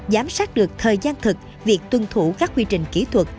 giám sát được thời gian thực việc tuân thủ các quy trình kỹ thuật